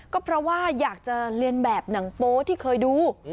ก็เพราะว่าอยากจะเรียนแบบหนังโป๊ที่เคยดู